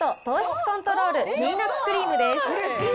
糖質コントロールピーナッツクリームです。